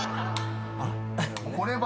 ［これは？